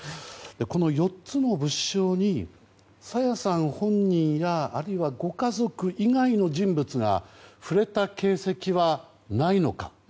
この４つの物証に朝芽さん本人やあるいは、ご家族以外の人物が触れた形跡はないのか。